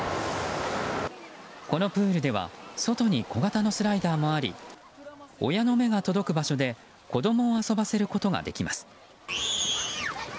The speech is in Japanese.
このプールでは外に小型のスライダーもあり親の目が届く場所で子供を遊ばせることができます。